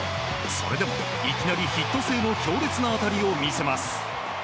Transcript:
それでも、いきなりヒット性の強烈な当たりを見せます。